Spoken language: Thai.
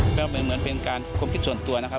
ก็เป็นเหมือนเป็นการความคิดส่วนตัวนะครับ